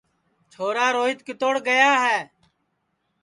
چھورا روہیت کِتوڑ گیا ہے